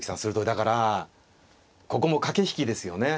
だからここも駆け引きですよね。